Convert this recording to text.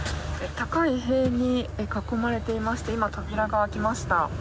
高い塀に囲まれていまして今、扉が開きました。